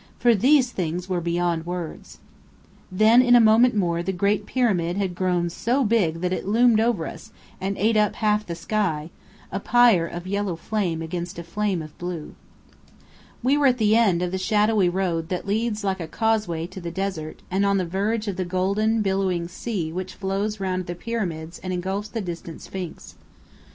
For these things were beyond words. Then in a moment more the Great Pyramid had grown so big that it loomed over us, and ate up half the sky a pyre of yellow flame against a flame of blue. We were at the end of the shadowy road that leads like a causeway to the desert, and on the verge of the golden, billowing sea which flows round the Pyramids and engulfs the distant Sphinx.